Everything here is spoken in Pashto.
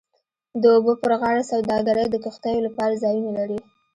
د اوبو پر غاړه سوداګرۍ د کښتیو لپاره ځایونه لري